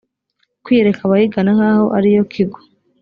kwiyereka abayigana nk aho ari yo kigo